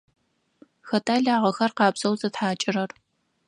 Хэта лагъэхэр къабзэу зытхьакӏырэр?